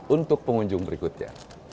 untuk pengunjung berikutnya